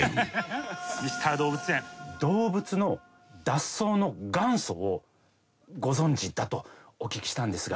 「動物の脱走の元祖をご存じだとお聞きしたんですが」